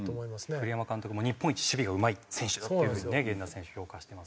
栗山監督も日本一守備がうまい選手っていう風にね源田選手評価してます。